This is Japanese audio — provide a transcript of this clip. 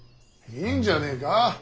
いいんじゃねえか。